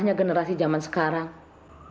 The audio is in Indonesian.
bukan generasinya ma tapi zamannya yang udah berubah